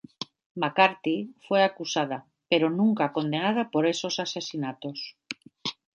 McCarthy fue acusada pero nunca condenada por esos asesinatos.